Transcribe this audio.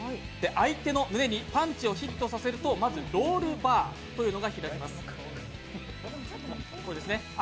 相手の胸にパンチをヒットさせるとロールバーというのが開きます。